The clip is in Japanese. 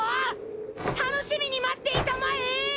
楽しみに待っていたまえ！